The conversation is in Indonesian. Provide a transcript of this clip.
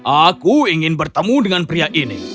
aku ingin bertemu dengan pria ini